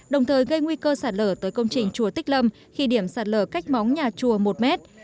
đồng thời gây nguy cơ sạt lở tới công trình chùa tích lâm khi điểm sạt lở cách móng nhà chùa một mét